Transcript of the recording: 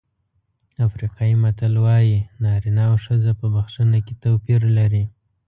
افریقایي متل وایي نارینه او ښځه په بښنه کې توپیر لري.